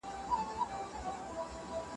رسول الله د غریبانو ملاتړ کاوه.